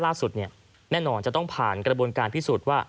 ล่าสุดแน่นอนจะต้องผ่านกระบวนการพิสูจน์ว่า